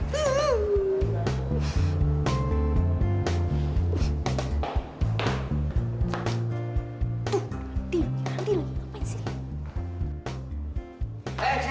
tuh nanti nanti lagi ngapain sih dia